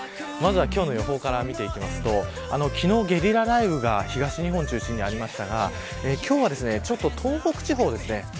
まずは今日の予報から見ていきますと、昨日ゲリラ雷雨が東日本を中心にありましたが今日は、東北地方です。